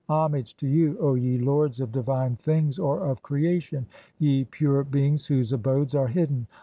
Homage to you, O ye lords "of divine things (or of creation), ye pure beings whose abodes "are hidden